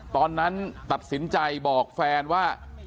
ตอนนั้นตัดสินใจบอกแฟนว่า